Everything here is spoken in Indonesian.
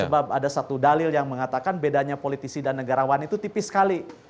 sebab ada satu dalil yang mengatakan bedanya politisi dan negarawan itu tipis sekali